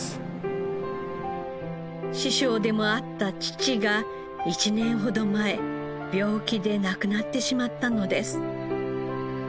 師匠でもあった父が１年ほど前病気で亡くなってしまったのです。